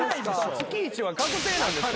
・月１は確定なんですか？